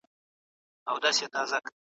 د کرنې متخصصین بزګرانو ته مشورې ورکوي.